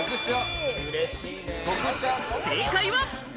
正解は。